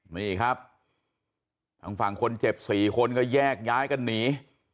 นี่ครับทางฝั่งคนเจ็บ๔คนก็แยกย้ายกันหนี